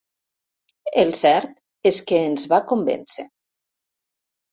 El cert és que ens va convèncer.